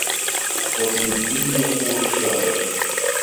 وَفِي مِثْلِهِ يَقُولُ الشَّاعِرُ